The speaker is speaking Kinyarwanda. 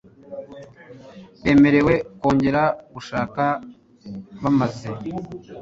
bemerewe kongera gushaka bamaze